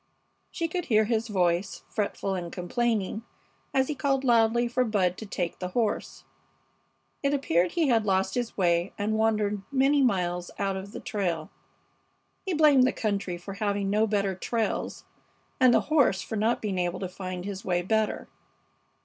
She could hear his voice, fretful and complaining, as he called loudly for Bud to take the horse. It appeared he had lost his way and wandered many miles out of the trail. He blamed the country for having no better trails, and the horse for not being able to find his way better.